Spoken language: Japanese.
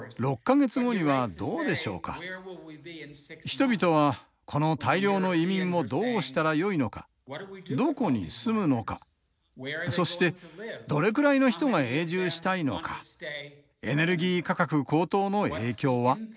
人々はこの大量の移民をどうしたらよいのかどこに住むのかそしてどれくらいの人が永住したいのかエネルギー価格高騰の影響は？